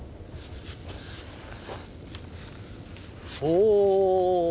お。